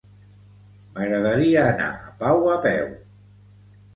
M'agradaria anar a Pau a peu.